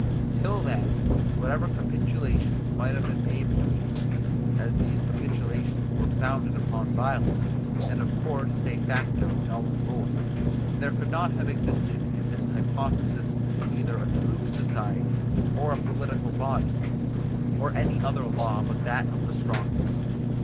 Till then, whatever capitulations might have been made between them, as these capitulations were founded upon violence, and of course de facto null and void, there could not have existed in this hypothesis either a true society, or a political body, or any other law but that of the strongest.